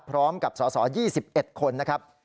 พร้อมกับสส๒๑คนนะครับ